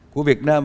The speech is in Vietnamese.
của việt nam